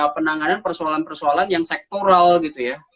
penanganan persoalan persoalan yang sektoral gitu ya